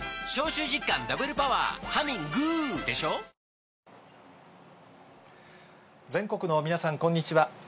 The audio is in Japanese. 「ビオレ」全国の皆さん、こんにちは。